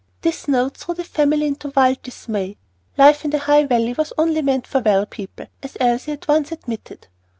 This note threw the family into a wild dismay. Life in the High Valley was only meant for well people, as Elsie had once admitted.